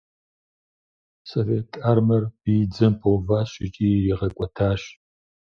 Совет Армэр биидзэм пэуващ икӏи иригъэкӏуэтащ.